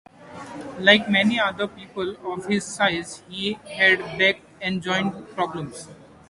Like many other people of his size he had back and joint problems.